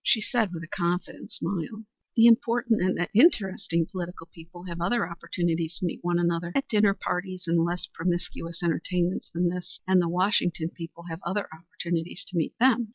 She said with a confidential smile "The important and the interesting political people have other opportunities to meet one another at dinner parties and less promiscuous entertainments than this, and the Washington people have other opportunities to meet them.